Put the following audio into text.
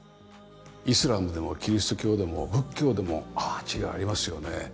イスラムでもキリスト教でも仏教でもアーチがありますよね。